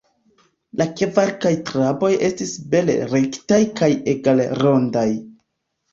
La kverkaj traboj estis bele-rektaj kaj egale-rondaj.